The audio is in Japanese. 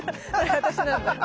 私なんだ。